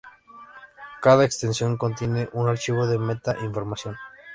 Cada extensión contiene un archivo de meta-información.